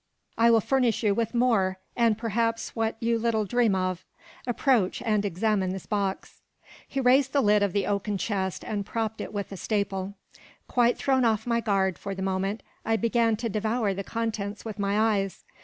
I will furnish you with more, and perhaps what you little dream of. Approach, and examine this box." He raised the lid of the oaken chest, and propped it with a staple. Quite thrown off my guard for the moment, I began to devour the contents with my eyes.